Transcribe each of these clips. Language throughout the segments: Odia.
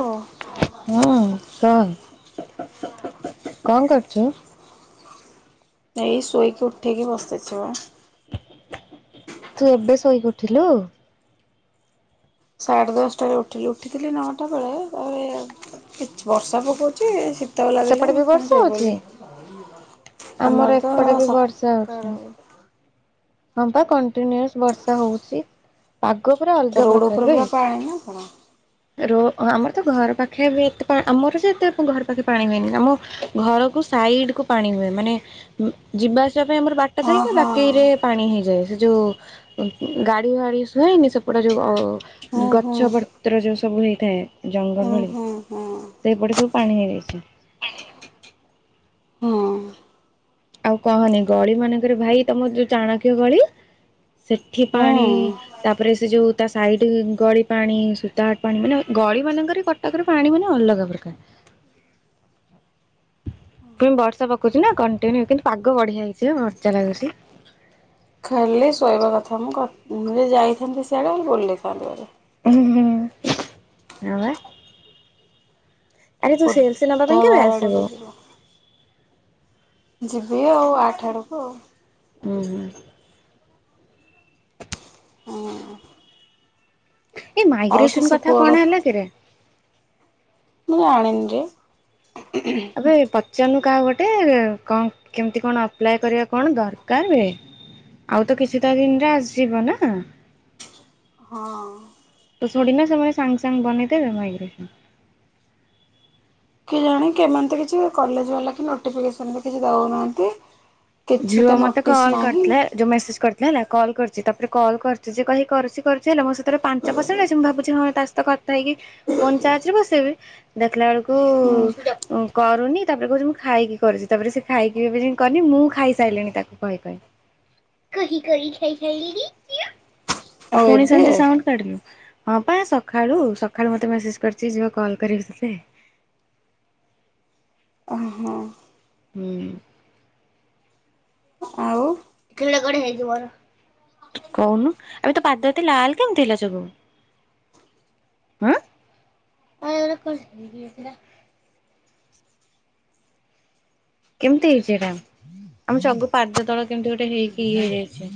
ଓ ହଁ, କହ କଣ କରୁ ଛ ଏଇ ଶୋଇକି ଉଠିକି ବସିଛିବା। ତୁ ଏବେ ଶୋଇକି ଉଠିଲୁ? ସାଢେ ଦଶଟାରେ ଉଠିଲି ଉଠିଥିଲି ନଅଟା ବେଳେ ତାପରେ ବର୍ଷା ପକଉଛି ଶୀ ଶୀତ ଲାଗିଲା ସେପଟେ ମୁଁ ବି ପୁଣି ବର୍ଷା ଶୋଇ ହଉଛି? ପଇଲି। ଆମର ତ ଏପଟେ ବି ବର୍ଷା ହଉଛି ସକାଳ ହଁ, ପା କଣ୍ଟିନ୍ୟୁସ ବର୍ଷା ହଉଛି। ପାଗ ପୁରା ଅଲଗା ରୋଡ ପ୍ରକାର ଉପରେ ପୁରା ପାଣି ନୁହେଁକି? ନା କଣ? ରୋ ଆମର ତ ଘର ପାଖେ ଏତେ ପା ଆମର ଯେ ଏତେ ଘର ପାଖେ ପାଣି ହୁଏନି ଆମ ଘରକୁ ସାଇଡ କୁ ପାଣି ହୁଏ ମାନେ ଯିବା ଆସିବା ପାଇଁ ଆମର ବାଟ ହଁ ଥାଏ କି ହଁ ବାକିରେ ଯାଏ ସେ ଯୋଉ ଗାଡି ଫାଢ଼ି ହୁଏନି ସେପଟ ଯୋଉ ଆଉ ହୁଁ ଗଛ ହୁଁ ପତ୍ର ଯୋଉ ସବୁ ହେଇଥାଏ। ଜଙ୍ଗଲ ଭଳି ହୁଁ ହୁଁ ସେଇପଟେ ସବୁ ପାଣି ହେଇଯାଇଛି। ହୁଁ। ଆଉ କହନି ଗଳି ମାନଙ୍କରେ ଭାଇ ତମର ଯୋଉ ଚାଣକ୍ୟ ଗଳି ସେଠି ପାଣି ହୁଁ। ତାପରେ ସେ ଯୋଉଁ ତା ସାଇଡ ଗଳି ପାଣି ସୂତା ହାଟ ପାଣି ମାନେ ଗଳି ମାନଙ୍କରେ କଟକର ପାଣି ମାନେ ଅଲଗା ପ୍ରକାର। ପୁଣି ବର୍ଷା ପକଉଛି ନା କଣ୍ଟିନ୍ୟୁ କିନ୍ତୁ ପାଗ ବଢିଆ ହେଇଛି ମଜା ଲାଗୁଛି ଖାଲି ଶୋଇବା କଥା ମୁଁ କ ମୁଁ ଯଦି ଯାଇଥାନ୍ତି ସିଆଡେ ବୁଲିଥାନ୍ତି। ହୁଁ ହୁଁ ହଁ ବା। ଆରେ ତୁ ସି ଏଲ ସି ନବା ପାଇଁ କେବେ ବୁଧବାର ଆସିବୁ? ଆଡ଼କୁ ଯିବା ଯିବି ଆଉ ଆଠ ଆଡ଼କୁ ଆଉ। ହୁଁ ହୁଁ। ହୁଁ। ଏଇ ଆଉ ତ ମାଇଗ୍ରେସନ ସେ କଥା ପୁଅ କଣ ହେଲା କି ରେ ମୁଁ ଆଣିନି ରେ। ଆବେ ପ ରୁନୁ କାହା କୁ ଗୋଟେ କଣ କେମିତି କଣ ଅପ୍ଲାଏ କରିବା କଣ ଦରକାର ବେ। ଆଉ ତ କିଛିଟା ଦିନିରେ ଆସିଯିବ ନା ହଁ ତ ଥୋଡିନା ସେମାନେ ସାଙ୍ଗ ସାଙ୍ଗ ବନେଇିଦେବେ ମାଇଗ୍ରେସନ୍ କି ଜାଣି କେମନେ ତ କିଛି କଲେଜ ବାଲା କି କିଛି ନୋଟିଫିକେସନ ବି ଦଉନାହାନ୍ତି। କିଛି ତ ଝିଅ ମତେ ନୋଟିସ୍ କଲ୍ ନାହିଁ କରିଥିଲା ଯୋଉ ମେସେଜ କରିଥିଲା ହେଲା କଲ୍ କରିଥିଲା। ସେ ତାପରେ କଲ୍ କରୁଛି କହି କରୁଛି କରୁଛି ହେଲେ ମୋ ସେଥିରେ ପାଞ୍ଚ ପରସେଣ୍ଟ ଆଛି ମୁଁ ଭାବୁଛି ହଁ ତା ସହିତ କଥା ହେଇକି ଫୋନ ଚାର୍ଜ ରେ ବସେଇବି ଦେଖିଲା ବେଳକୁ ହୁଁ କରୁନି ତାପରେ କହୁଛି ମୁଁ ଖାଇକି କରୁବି। ତାପରେ ସେ ଖାଇକି ଏବେ ଯାଏ କରିନି ମୁଁ ଖା ଖାଇସାରିଲିଣି ତାକୁ କହି କହି କହି କହି ଖାଇସାଇଲିଣି। ତୁ ଆଉ ଫୁଣି ଏବେ ସେମିତି ସାଉଣ୍ଡ କାଢ଼ିଲୁ। ହଁ ପା ସଖାଳୁ ସଖାଳୁ ମତେ ମେସେଜ କରିଛି ଝିଅ କଲ କରିବି ତତେ। ହଁ ହୁଁ। ଆଉ [unintelligible] କହୁନୁ ଆବେ ତୋ ପାଦ ଏତେ ଲାଲ କେମିତି ହେଲା ସବୁ। ଉଁ। କେମତି ହେଇଛି ହେଟା? ଆମ ଚଗୁ ପାଦ ତଳ କେମିତି ଗୋଟେ ହେଇକି ଇଏ ହେଇଛି।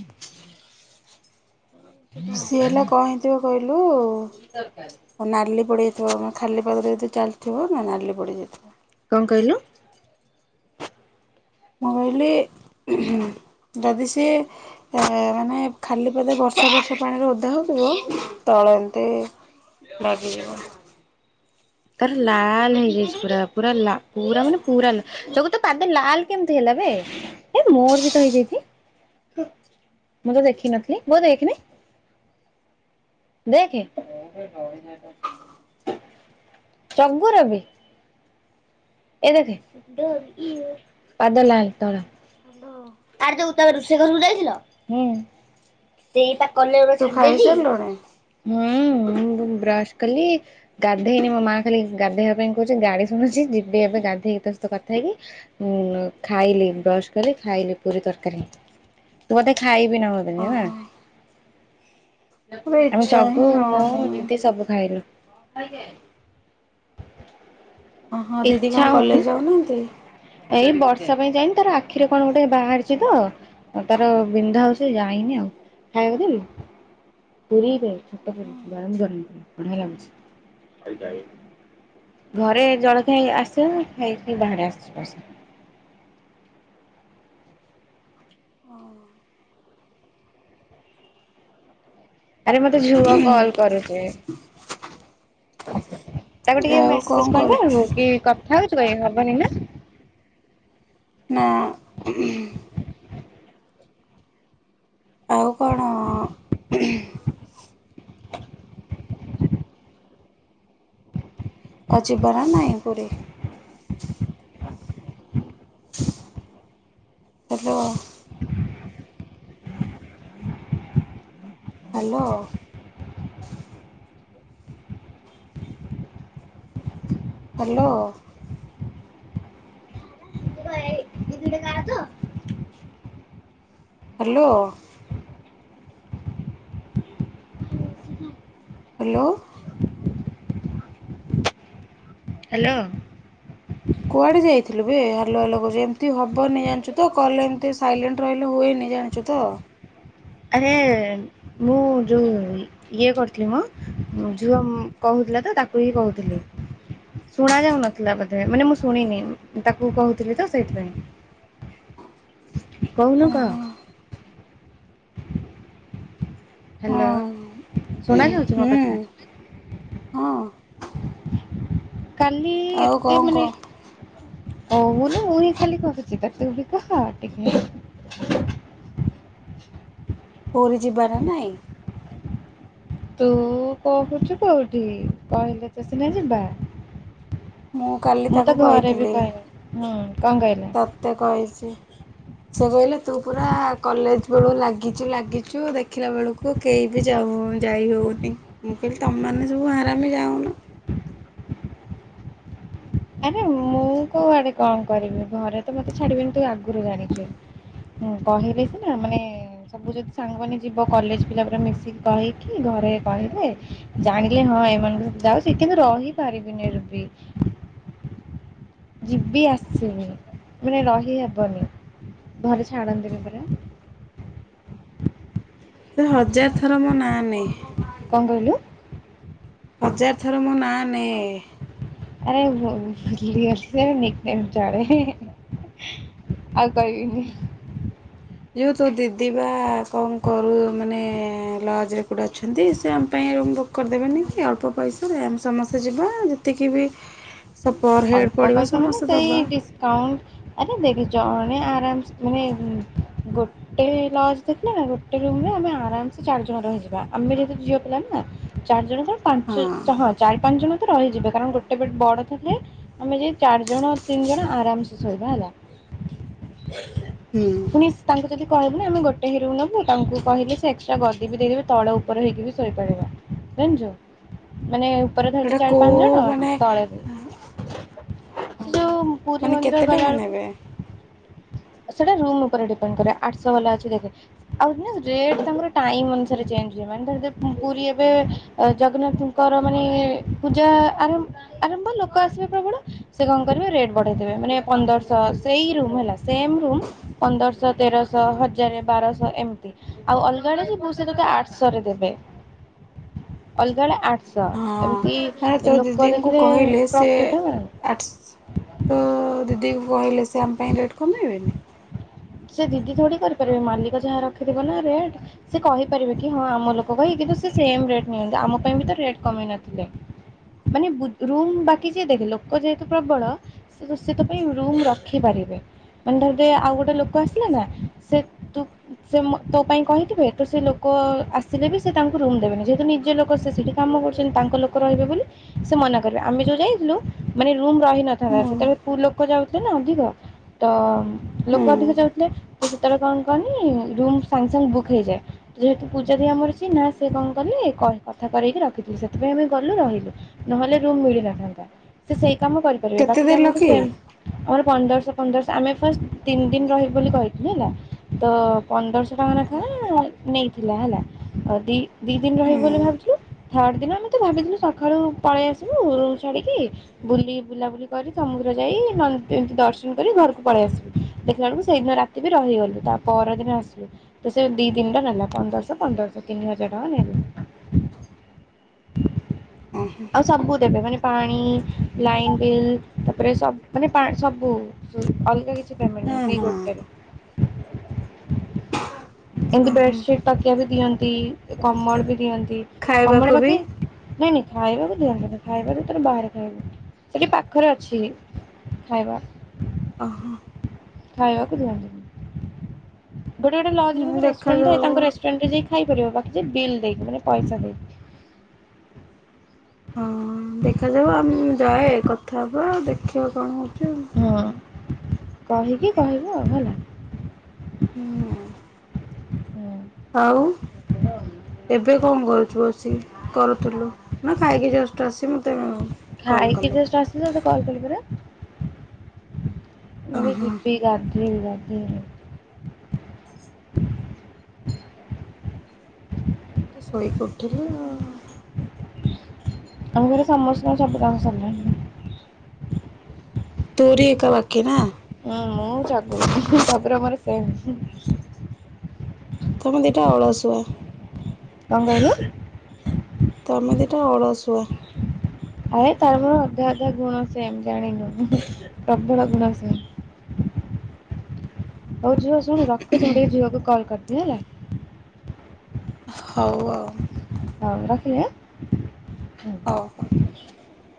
ସିଏ ହେଲା କଣ ହେଇଥିବ କହିଲୁ ନାଲି ପଡିଯାଇଥିବ ଉଁ। ଖାଲି ପାଦରେ ଯେ ଚାଲିଥିବ ନା ନାଲି ପଡ଼ିଯାଇଥିବ। କଣ କଇଲୁ? ମୋବାଇଲି ଉଁମ ହୁଁ ଯଦି ସିଏ ଏ ମାନେ ଖାଲି ପାଦେ ବର୍ଷା ଫର୍ଷା ପାଣିରେ ଓଦା ହଉଥିବ ତ ତଳ ଏମତି ଲାଗିଯିବ। ତାର ଲାଲ ହେଇଯାଇଛି ପୁରା ପୁରା ଲା ପୁରା ମାନେ ପୁରା ଲା ଚଗୁ ତୋ ପାଦ ଲାଲ କେମିତି ହେଲା। ଏବେ ଏ ମୋର ବି ତ ହେଇଯାଇଛି। ହୁମ। ମୁଁ ତ ଦେଖିନଥିଲି। ଦେଖେ। ଚଙ୍ଗୁ ର ବି। ଏ ଦେଖେ ପାଦ ଲାଲ ତଳ। ହ୍ୟାଲୋ ଆରେ ଯଉ ତା ରୋଷେଇ ଘରକୁ ଯାଇଥିଲ ହୁଁ ସେଇ ତା [unintelligible] ଗୁଡା ତୁ ଛାଡିଦେଇଛି ଖାଇସାରିଲୁଣି ହୁଁ। ମୁଁ ବ୍ରଶ କଲି ଗାଧେଇନି ମୋ ମା ଖାଲି ଗାଧେଇବା ପାଇଁ କହୁଚି ଗାଳୀ ଶୁଣୁଚି ଏବେ ଗାଧୋଇକି ତୋ ସହିତ କଥା ହେବି ଖାଇଲି ବ୍ରସ୍ କଲି ଖାଇଲି ପୁରୀ ତରକାରୀ। ତୁ ବୋଧେ ଖାଇବି ନାହୁ ବୋଧେ ନୁହଁ। ଓହୋ। ଏବେ ଆମ ଇଚ୍ଛା ଚଗୁ ହିଁ ହଉନି। ମୁଁ ଦିଦି ସବୁ ଖାଇଲୁ। [inaudible] ଓହୋ ଦିଦି କଣ ଇଚ୍ଛା କଲେଜ ହେଉନି ଯାଉନାହାନ୍ତି? ଏଇ ବ ସେ ପାଇଁ ଯାଇନି ତାର ଆଖିରେ କଣ ଗୋଟେ ବାହାରିଚିତ ତାର ବିନ୍ଧା ହାଉଚି ଯାଇନି ଆଉ। ଖାଇବାକୁ ଦେବୀ? ପୁରି ଛୋଟ ଗରମ ଗରମ ବଢ଼ିଆ ଲାଗୁଚି। ଘରେ ଜଣେ କେ ଆସେ ଖାଇକି ବାହାରେ ଆସିଚି ପ୍ର ଆରେ ମତେ ଝୁଅ କଲ କରୁଚି। ତାକୁ ଟିକେ ଆଉ କଣ ମେସେଜ କରୁଛୁ? କରଦବୁ କି କଥା ହଉଚୁ ବୋଲି ହବନି ନା? ନା। ଆଉ କଣ? [inaudible] ଆଉ ଜୀବାନା ନାଇ Puri? Hello. Hello. Hello. Hello. Hello. Hello. କୁଆଡେ ଯାଇଥିଲୁ ବେ ହଲୋ ହାଲୋ କହୁଚି ଏମିତି ହବନି ଜାଣିଚୁ ତ କଲେ ଏମତି ସାଇଲେଣ୍ଟ ରହିଲେ ହୁଏନି। ଜାଣିଚୁତ? ଆରେ ମୁଁ ଯୋଉ ଇଏ କରୁଥିଲି ମ ଝୁଅ କହୁ ଥିଲା ତ ତାକୁ ହିଁ କହୁଥିଲି। ଶୁଣା ଯାଉ ନଥିଲା ବୋଧେ ମାନେ ମୁଁ ଶୁଣିନି ତାକୁ କହୁଥିଲି ତ ସେଇଥିପାଇଁ। କହୁନୁ କହ। ଓହୋ ହାଲୋ ହଁ ଶୁଣ ଯାଉଚି ମୋ ହୁଁ କଥା? ହଁ କାଲି ଆଉ ଏତେ କଣ ମାନେ କହ ଓ ମାନେ ମୁଇ ଖାଲି କହୁଚି ତୁ ବିତ କହ ଟିକେ। [inaudible] ପୁରୀ ଜିବାର ନାହିଁ। ତୁ କହୁଚୁ କୋଉଠି କହିଲେ ତ ସିନା ଯିବା। ମୁଁ କାଲି ତାକୁ ତ ଘରେ ବି କହିଥିଲି। କହିନି ହୁଁ କଣ କହିଲେ ତତେ କହିଚି ସେ କହିଲେ ତୁ ପୁରା କଲେଜ ବଳୁ ଲାଗିଚୂ ଲାଗିଚୁ ଦେଖିଲା ବେଳକୁ କେହି ବି ଯାଉ ଯାଇ ହଉନି। ମୁଁ କହିଲି ତମ ମାନେ ସବୁ ହାରମି ଯାଉନ। [inaudible] ଆରେ ମୁଁ କୋଉଆଡେ କଣ କରିବି ଘରେ ତ ମତେ ଛାଡିବେନି ତୁ ଆଗରୁ ଜାଣିଚୁ। ହୁଁ କହିଲେ ସିନା ମାନେ ସବୁ ଯଦି ସାଙ୍ଗମାନେ ଯିବ କଲେଜ ପିଲା ପୁରା ମିଶିକି କହିକି ଘରେ କହିଲେ ଜାଣିଲେ ହଁ ହଁ ଏମାନ ଯାଉ ସେଥିବି କିନ୍ତୁ ରହି ପାରିବିନି ରୁବି। ଯିବି ଆସିବି ମାନେ ରହିହବନି। ଘରେ ଛାଡନ୍ତିନି ପରା। ସେ ହଜାର ଥର ମୋ ନା ନାଇ କଣ କହିଲୁ? ହଜାର ଥର ମୋ ନାଁ ନେଏ। ଆରେ [unintelligible] ଚଳେ। ଆଉ କହିବିନି। ଯୋଉ ତୋ ଦିଦି ବା କଣ କରୁ ମାନେ ଲଜରେ କୋଉଟେ ଅଛନ୍ତି ସେ ଆମ ପାଇଁ ବୁକ୍ କରିଦେବେନି କି ଅଳ୍ପ ପଇସାରେ ଆମେ ସମସ୍ତେ ଯିବା ଯେତିକି ବି ସ ପର ହେଡ୍ ଅଳ୍ପ ପଡ଼ିବ ପଇସା ମାନେ ସମସ୍ତେ ସେଇ ଦବା ଡିସକାଉଣ୍ଟ୍ ଆରେ ଦେଖ୍ ଜଣେ ଆରାମ୍ ସେ ମାନେ ଗୋଟେ ଲଜ୍ ଦେଖିଲେ ନା ଗୋଟେ ରୁମ୍ ରେ ଆମେ ଆରାମ ଚାରି ଜଣ ରହିଯିବା ଆମେ ଯେହେତୁ ଝିଅ ପିଲା ନା ଚାରି ଜଣ କଣ ପାଞ୍ଚ ହଁ ହଁ ଚାରି ପାଞ୍ଚ ଜଣ ତ ରହିଯିବେ କାରଣ ଗୋଟେ ବେଡ୍ ବଡ ଥିଲେ ଆମେ ଯାଇ ଚାରି ଜଣ ତିନି ଜଣ ଆରାମ୍ ସେ ଶୋଇବା ହେଲା। ହୁଁ। ପୁଣି ତାଙ୍କୁ ଯଦି କହିବୁ ନା ଆମେ ଗୋଟେ ହିଁ ରୁମ୍ ନେବୁ। ତାଙ୍କୁ କହିଲେ ସେ ଏକ୍ସଟ୍ରା ଗଦି ବି ଦେଇଦେବେ ତଳ ଉପର ହେଇକି ବି ଶୋଇପାରିବ। ଜାଣିଛୁ ମାନେ ଉପରେ ଧାଡି ସେଇଟା ଚାରି ପାଞ୍ଚ କୋଉ ଜଣ ମାନେ ତଳେ ଦି ସେ ଓହୋ ଯୋଉ ପୁରୀ ମାନେ ମନ୍ଦିର କେତେ ଗଲା ଟଙ୍କା ବେଳକୁ ନେବେ? ସେଟା ରୁମ୍ ଉପରେ ଡିପେଣ୍ଡ୍ କରେ। ଆଠ୍ ଶହ ବାଲା ଅଛି ଦେଖେ ଆଉ ରେଟ୍ ତାଙ୍କର ଟାଇମ୍ ଅନୁସାରେ ଚେ ଞ୍ଜ ହୁଏ। ମାନେ ପୁରୀ ଏବେ ଜଗନ୍ନାଥଙ୍କର ମାନେ ପୂଜା ଆରମ୍ଭ୍ ଆରମ୍ଭ ହେଲା ଲୋକ ଆସିବେ ପ୍ରବଳ। ସେ କଣ କରିବେ ରେଟ୍ ବଢେଇଦେବେ ପନ୍ଦର ଶହ ସେଇ ରୁମ୍ ସେମ୍ ରୁମ୍ ପନ୍ଦରଶହ ତେରଶହ ହଜାରେ ବାରଶହ ଏମିତି ଆଉ ଅଲଗା ବେଳେ ଯିବୁ ସେ ତତେ ଆଠ୍ ଶହରେ ଦେବେ। ଅଲଗା ବେଳେ ଆଠ୍ ଶହ ହଁ ଏମିତି ଆରେ ତୋ ଲୋକ ଦିଦିଙ୍କୁ ଦେଖିଲେ କହିଲେ ସେ ପ୍ରଫିଟ୍ ହବ ନା ଆଟସ୍ ତ ଦିଦି କହିଲେ ସେ ଆମ ପାଇଁ ରେଟ୍ କମେଇବେନି? ସେ ଦିଦି ଥୋଡି କରିପାରିବେ ମାଲିକ ଯାହା ରଖିଥିବ ନା ରେଟ୍ ସେ କହିପାରିବେ କି ହଁ ଆମ ଲୋକ କହି କିନ୍ତୁ ସେ ସେମ ରେଟ ନିଅନ୍ତି ଆମ ପାଇଁ ବି ତ ରେଟ୍ କମେଇ ନଥିଲେ। ମାନେ ବୁ ରୁମ୍ ବାକି ଯିଏ ଦେଖେ ଲୋକ ଯେହେତୁ ପ୍ରବଳ ସେ ସେ ତୋପାଇଁ ରୁମ୍ ରଖିପାରିବେ। ମାନେ ଧରଦେ ଆଉ ଗୋଟେ ଲୋକ ଆସିଲେ ନା ସେ ତୁ ସେ ମୋ ତୋ ପାଇଁ କହିଥିବେ ସେ ଲୋକ ବ ଆସିଲେ ବି ସେ ତାଙ୍କୁ ରୁମ ଦେବେନି। ଯେହେତୁ ନିଜ ଲୋକ ସେ ସେଠି କାମ କରୁଛନ୍ତି ତାଙ୍କ ଲୋକ ରହିବେ ବୋଲି ମନାକଲେ ଆମେ ଯୋଉ ଯାଇଥିଲୁ ମାନେ ରୁମ ରହି ନଥାନ୍ତା। ହୁଁ ସେତେବେଳେ ଫୁଲ୍ ଲୋକ ଯାଉଥିଲେ ନା ଅଧିକ ତ ଲୋକ ହୁଁ ଅଧିକ ଯାଉଥିଲେ ତ ସେତେବେଳେ କଣ କହନି ରୁମ୍ ସାଙ୍ଗେ ସାଙ୍ଗେ ବୁକ୍ ହେଇଯାଏ। ଯେହେତୁ ପୂଜା ଦି ଆମର ଚିହ୍ନା ସେ କଣ କଲେ କଥା କରେଇକି ରଖିଥିଲେ ସେଥିପାଇଁ ଆମେ ଗଲୁ ରହିଲୁ। ନହେଲେ ରୁମ୍ ମିଳିନଥାନ୍ତା ସେ ସେଇ କାମ କରିପାରିବେ କେତେ ବାକି ଦେଲ ଯାହା ସେ କି? ସେମ୍ ଆମର ପନ୍ଦରଶହ ପନ୍ଦରଶହ ଆମେ ଫାଷ୍ଟ୍ ତିନି ଦିନ୍ ରହିବୁ ବୋଲି କହିଥିଲୁ ହେଲା ତ ପନ୍ଦରଶହ ଟଙ୍କା ନେଖା ନେଇଥିଲା ହେଲା ଦି ଦି ଦିନ୍ ରହିବୁ ହୁଁ ବୋଲି ଭାବିଥିଲୁ ଥାର୍ଡ ଦିନ ଆମେ ତ ଭାବିଥିଲୁ ସଖାଳୁ ପଳେଇ ଆସିବୁ ରୁମ୍ ଛାଡିକି ବୁଲି ବୁଲାବୁଲି କରି କାମ ମନ୍ଦିର ଯାଇ ନ ଏମିତି ଦର୍ଶନ କରି ଘରକୁ ପଳେଇ ଆସିବୁ ଦେଖିଲା ବେଳକୁ ସେଇଦିନ ରାତି ବି ରହିଗଲୁ ତା ପରଦିନ ଆସିଲୁ ତ ସେ ଦି ଦିନ୍ ର ନେଲା ପନ୍ଦରଶହ ପନ୍ଦର ତିନି ହଜାର ଟଙ୍କା ନେଲେ। ଓହୋ ଆଉ ସବୁ ଦେବେ ମାନେ ପାଣି ଲାଇନ ବିଲ୍ ତାପରେ ସବ ମାନେ ପା ସବୁ ଅଲଗା କିଛି ପେମେଣ୍ଟ ନାହିଁ। ହଁ ସେଇ ହଁ ଗୋଟେରେ। ଏମତି ଓହୋ ବେଡସିଟ୍ ତକିଆ ବି ଦିଅନ୍ତି। କମଳ ବି ଦିଅନ୍ତି। ଇ ଖାଇବାକୁ କମଳ ବି ବାକି ନାଇଁ ନାଇଁ ଖାଇବାକୁ ଦିଅନ୍ତିନି ଖାଇବା ତୁ ତୋର ବାହାରେ ଖାଇବୁ ସେଠି ପାଖରେ ଅଛି। ଖାଇବା ଅ ହଁ। ଖାଇବାକୁ ଦିଅନ୍ତିନି ଗୋଟେ ଗୋଟେ ଲଜ୍ ରେ ହୁଁ କିନ୍ତୁ ରେଷ୍ଟୁରାଣ୍ଟ ଥାଏ। ଦେଖାଯାଉ ତାଙ୍କ ରେଷ୍ଟୁରାଣ୍ଟ ରେ ଯାଇକି ଖାଇପାରିବ ବାକି ଯାହା ବିଲ୍ ଦେଇକି ମାନେ ପଇସା ଦେଇକି। ହଁ ଦେଖାଯାଉ ଆମ୍ ଯାଏ କଥା ହବା ଆଉ ଦେଖିବା କଣ ଆଉ। ହଁ କହିକି କହିବୁ ଆଉ ହେଲା। ହୁଁ ହୁଁ ଆଉ ଏବେ କଣ କରୁଛୁ ବସିକି? କରୁଥିଲୁ ନା ଖାଇକି ଜଷ୍ଟ ଆସି ମତେ କଲ୍ ଖାଇକି କଲୁ ଜଷ୍ଟ ଆସିଲ ତତେ କଲ୍ କଲି ପରା ମୁଁ ବି ଓହୋ ଯିଵି ଗାଧେଇଵି ବା ହୁଁ। ମୁଁ ତ ଶୋଇକି ଉଠିଲି ଆଉ। ଆମ ଘରେ ସମସ୍ତଙ୍କର ସବୁ କାମ ସରିଲାଣି। ତୋରି ଏକା ବାକୀ ନା? ମୁଁ ଜଗୁ ଜଗୁର ମୋର ହ ହୁଁ। ତମେ ଦିଇଟା ଅଳସୁଆ। କଣ କହିଲୁ? ତମେ ଦିଟା ଅଳସୁଆ। ଆରେ ତାର ମୋର ଅଧା ଅଧା ଗୁଣ ସେମ୍ ଜାଣିନୁ ପ୍ରବଳ ଗୁଣ ସେ [unintelligible] ହଉ ଝିଅ ଶୁଣ ରଖୁଛି ମୁଁ ଟିକେ ଝିଅକୁ କଲ୍ କରିଦିଏ ହେଲା ହଉ ଆଉ ହଉ ରଖିଲି ହଉ ହଉ ହେଁ